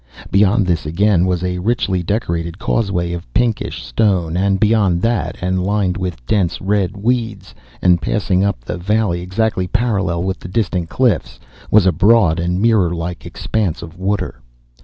Beyond this again was a richly decorated causeway of pinkish stone; and beyond that, and lined with dense red weeds, and passing up the valley exactly parallel with the distant cliffs, was a broad and mirror like expanse of water.